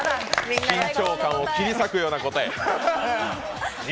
緊張感を切り裂くような答え。